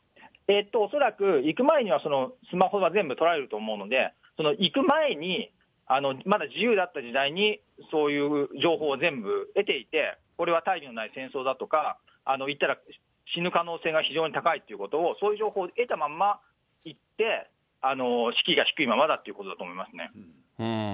恐らく、行く前にはスマホが全部取られると思うので、行く前に、まだ自由だった時代にそういう情報を全部得ていて、これは大義のない戦争だとか、行ったら死ぬ可能性が非常に高いということを、そういう情報を得たまま行って、士気が低いままだということだと思いますね。